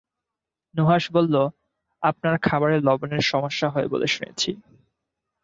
নুহাশ বলল, আপনার খাবারে লবণের সমস্যা হয় বলে শুনেছি।